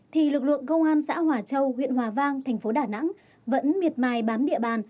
thì lực lượng công an xã hòa châu huyện hòa vang thành phố đà nẵng vẫn miệt mài bám địa bàn